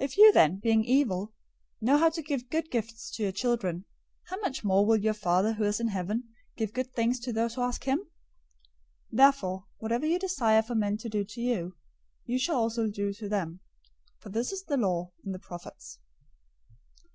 007:011 If you then, being evil, know how to give good gifts to your children, how much more will your Father who is in heaven give good things to those who ask him! 007:012 Therefore whatever you desire for men to do to you, you shall also do to them; for this is the law and the prophets.